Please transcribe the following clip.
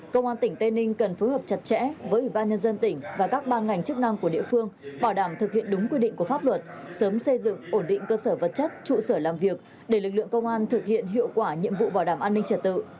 công an tỉnh tây ninh cần phối hợp chặt chẽ với ủy ban nhân dân tỉnh và các ban ngành chức năng của địa phương bảo đảm thực hiện đúng quy định của pháp luật sớm xây dựng ổn định cơ sở vật chất trụ sở làm việc để lực lượng công an thực hiện hiệu quả nhiệm vụ bảo đảm an ninh trật tự